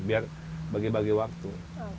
biar bagi bagi waktu